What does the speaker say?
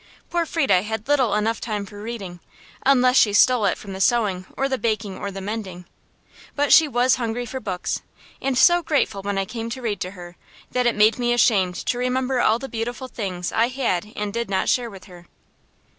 Poor Frieda had little enough time for reading, unless she stole it from the sewing or the baking or the mending. But she was hungry for books, and so grateful when I came to read to her that it made me ashamed to remember all the beautiful things I had and did not share with her.